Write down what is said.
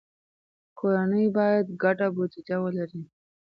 کورنۍ باید ګډه بودیجه ولري.